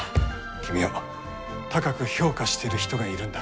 君を高く評価している人がいるんだ。